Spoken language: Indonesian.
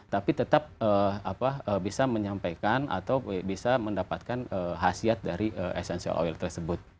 tapi tetap bisa menyampaikan atau bisa mendapatkan hasil dari essential oil tersebut